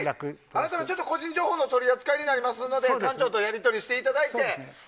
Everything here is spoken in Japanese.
改めて個人情報の取り扱いになりますので館長とやり取りしていただいて。